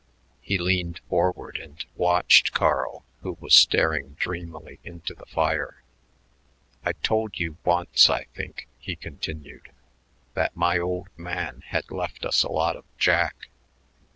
He leaned forward and watched Carl, who was staring dreamily into the fire. "I told you once, I think," he continued, "that my old man had left us a lot of jack.